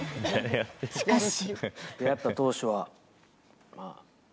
しかし。